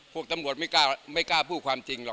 พวกตำรวจไม่กล้าพูดความจริงหรอก